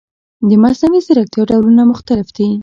د مصنوعي ځیرکتیا ډولونه مختلف دي.